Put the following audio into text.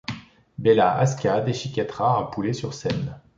Béla Haska déchiquètera un poulet sur scène.